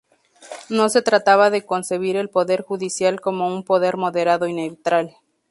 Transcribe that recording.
No se trataba de concebir el poder judicial como un poder moderado y neutral.